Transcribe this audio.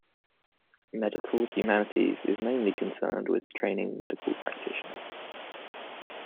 Medical humanities is mainly concerned with training medical practitioners.